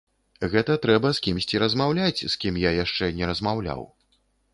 Гэта трэба з кімсьці размаўляць, з кім я яшчэ не размаўляў.